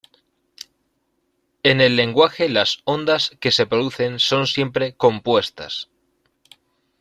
En el lenguaje las ondas que se producen son siempre "compuestas".